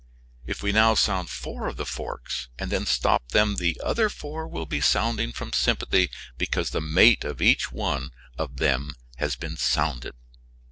If we now sound four of the forks and then stop them the other four will be sounding from sympathy because the mate of each one of them has been sounded.